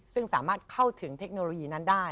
ซึ่งสามารถเข้าถึงเทคโนโลยีนั้นได้